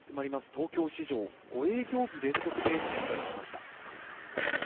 東京市場、５営業日連続で値上がりしました。